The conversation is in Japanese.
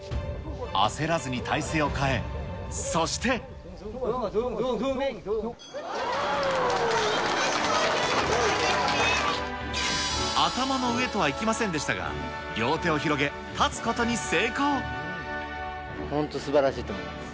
焦らずに体勢を変え、そして。頭の上とはいきませんでした本当、すばらしいと思います。